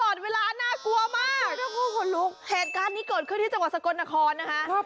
ตอนเวลาน่ากลัวมากเหตุการณ์นี้เกิดขึ้นที่จังหวัดสกลนครนะฮะ